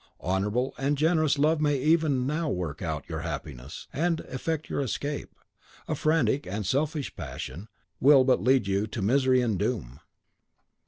Honourable and generous love may even now work out your happiness, and effect your escape; a frantic and selfish passion will but lead you to misery and doom."